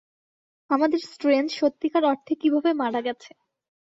আমাদের স্ট্রেঞ্জ সত্যিকার অর্থে কীভাবে মারা গেছে।